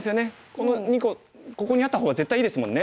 この２個ここにあった方が絶対いいですもんね。